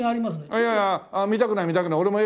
いやいや見たくない見たくない。